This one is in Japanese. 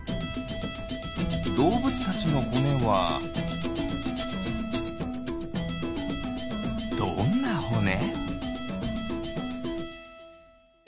どうぶつたちのほねはどんなほね？